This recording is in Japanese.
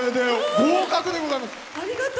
合格でございます！